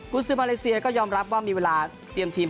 คุณซื้อมาเลเซียก็ยอมรับว่ามีเวลาเตรียมทีม